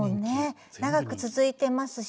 長く続いてますし。